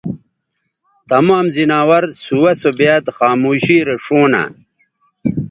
تمام زناور سُوہ سو بیاد خاموشی رے ݜؤں نہ